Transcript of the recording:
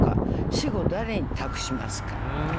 「死後を誰に託しますか」。